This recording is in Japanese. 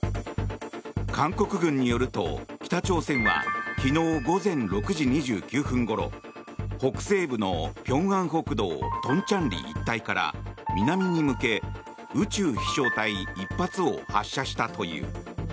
韓国軍によると、北朝鮮は昨日午前６時２９分ごろ北西部のピョンアン北道トンチャンリ一帯から南に向け宇宙飛翔体１発を発射したという。